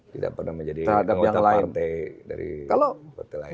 tidak pernah menjadi kader yang dari partai lain